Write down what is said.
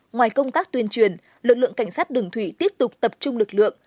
ngoài công tác tuyên truyền lực lượng cảnh sát đường thủy tiếp tục tập trung lực lượng